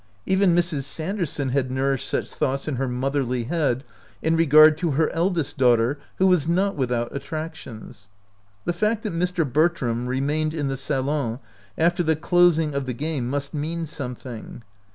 Even Mrs. Sanderson had nour ished such thoughts in her motherly head in regard to her eldest daughter, who was not without attractions. The fact that Mr. Bertram remained in the salon after the closing of the game must mean something.